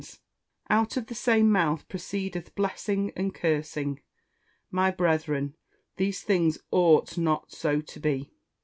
[Verse: "Out of the same mouth proceedeth blessing and cursing. My brethren, these things ought not so to be."